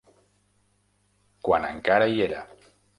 Quan encara hi era.